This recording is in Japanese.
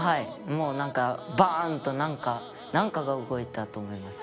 もうなんかバーン！となんかなんかが動いたと思います。